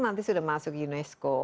nanti sudah masuk unesco